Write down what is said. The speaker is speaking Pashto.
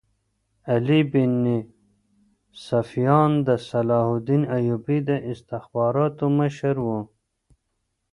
علي بن سفیان د صلاح الدین ایوبي د استخباراتو مشر وو.